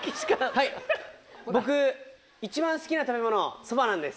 はい僕一番好きな食べ物そばなんです。